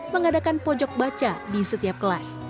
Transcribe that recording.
mengadakan pojok baca di setiap kelas